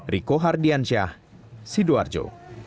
riko hardiansyah sidoarjo